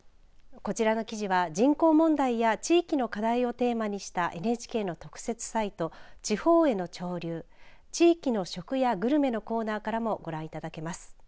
こちらの記事は人口問題や地域の課題をテーマにしたＮＨＫの特設サイト地方への潮流地域の食やグルメのコーナーからもご覧いただけます。